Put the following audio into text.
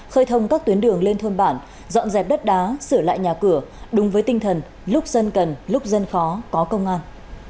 khơi thông các tuyến đường lên thôn bản dọn dẹp đất đá sửa lại nhà cửa đúng với tinh thần lúc dân cần lúc dân khó có công an